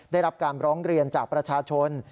ได้รับการร้องเรียนจากประชาชน